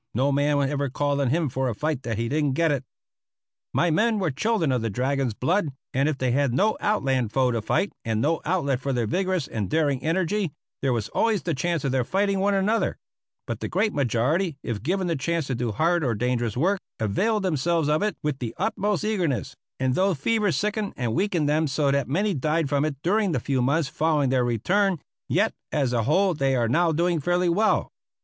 No man ever called on him for a fight that he didn't get it." My men were children of the dragon's blood, and if they had no outland foe to fight and no outlet for their vigorous and daring energy, there was always the chance of their fighting one another: but the great majority, if given the chance to do hard or dangerous work, availed themselves of it with the utmost eagerness, and though fever sickened and weakened them so that many died from it during the few months following their return, yet, as a whole, they are now doing fairly well.